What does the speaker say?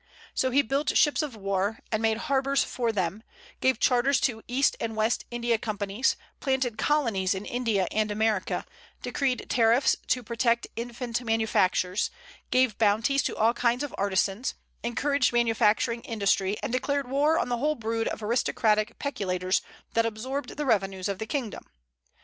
So he built ships of war, and made harbors for them, gave charters to East and West India Companies, planted colonies in India and America, decreed tariffs to protect infant manufactures, gave bounties to all kinds of artisans, encouraged manufacturing industry, and declared war on the whole brood of aristocratic peculators that absorbed the revenues of the kingdom.